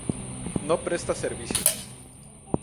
No presta servicios.